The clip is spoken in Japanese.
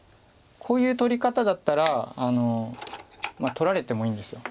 こういう取り方だったら取られてもいいんです。